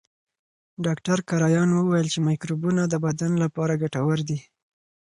ډاکټر کرایان وویل چې مایکروبونه د بدن لپاره ګټور دي.